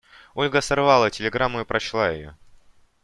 Ольга сорвала телеграмму и прочла ее.